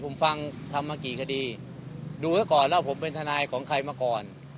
ผมฟังทำมากี่คดีดูไว้ก่อนแล้วผมเป็นทนายของใครมาก่อน